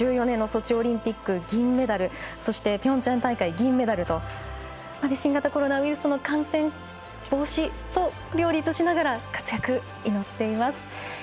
１４年のソチオリンピックで銀メダルそしてピョンチャン大会銀メダルと新型コロナウイルスの感染防止と両立しながら活躍祈っています。